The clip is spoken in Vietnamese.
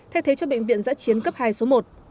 thay thế cho bệnh viện giã chiến cấp hai số một